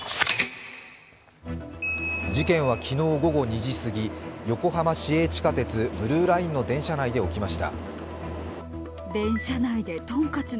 事件は昨日午後２時過ぎ、横浜市営地下鉄ブルーラインの電車内で起きました。